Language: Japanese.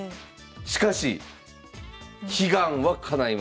しかし悲願はかないます。